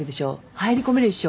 入り込めるでしょ？